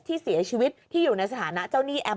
ที่เสียชีวิตที่อยู่ในสถานะเจ้าหนี้แอม